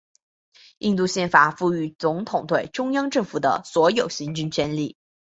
印度宪法赋予总统对中央政府的所有行政权力。